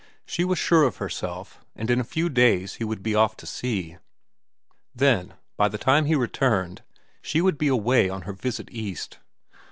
She was sure of herself, and in a few days he would be off to sea. Then, by the time he returned, she would be away on her visit East.